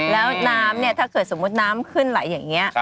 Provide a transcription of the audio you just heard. แล้วน้ำเนี่ยถ้าเกิดสมมุติน้ำขึ้นไหลอย่างนี้